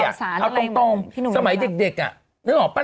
เอาตรงสมัยเด็กนึกออกปะ